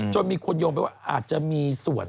มีคนโยงไปว่าอาจจะมีส่วน